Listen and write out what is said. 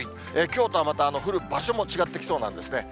きょうとはまた降る場所も違ってきそうなんですね。